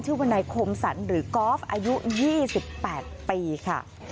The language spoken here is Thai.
ชื่อบันไดโคมสรรหรือกอล์ฟอายุยี่สิบแปดปีค่ะ